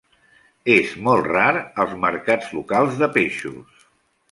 És molt rar als mercats locals de peixos.